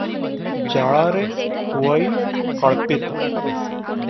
ଜଳରେ ହୁଅଇ କଳ୍ପିତ ।